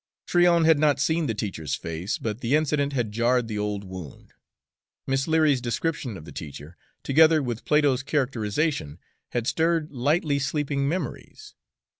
Tryon had not seen the teacher's face, but the incident had jarred the old wound; Miss Leary's description of the teacher, together with Plato's characterization, had stirred lightly sleeping memories.